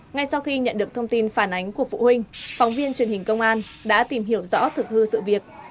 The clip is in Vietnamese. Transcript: ngay sau khi nhận được thông tin phản ánh của phụ huynh phóng viên truyền hình công an đã tìm hiểu rõ thực hư sự việc